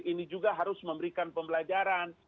ini juga harus memberikan pembelajaran